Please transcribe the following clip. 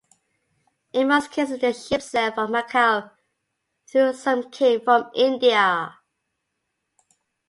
In most cases the ships sailed from Macau, though some came from India.